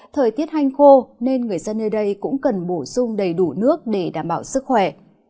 thời tiết hanh khô nên người dân nơi đây cũng cần bổ sung đầy đủ nước để đảm bảo sức khỏe